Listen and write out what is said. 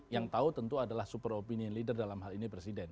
yang tahu tentu adalah super opinion leader dalam hal ini presiden